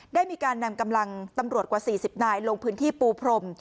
ได้มีการนำกำลังตำรวจกว่า๔๐นายลงพื้นที่ปูพรม